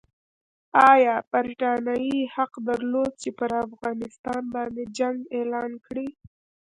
ایا برټانیې حق درلود چې پر افغانستان باندې جنګ اعلان کړي؟